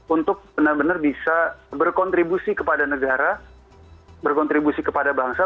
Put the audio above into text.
untuk benar benar bisa berkontribusi kepada negara berkontribusi kepada bangsa